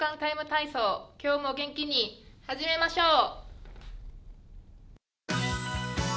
ＴＩＭＥ，体操」、今日も元気に始めましょう！